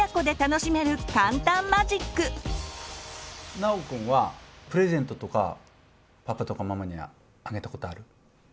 尚くんはプレゼントとかパパとかママにあげたことある？